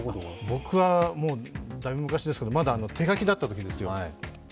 僕はだいぶ昔ですけど、まだ手書きだったときですよ。